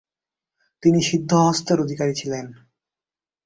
তিনি সিদ্ধহস্তের অধিকারী ছিলেন।